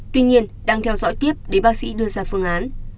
tuy nhiên đang theo dõi tiếp để bác sĩ đưa ra phương án